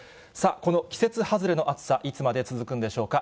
この季節外れの暑さ、いつまで続くんでしょうか。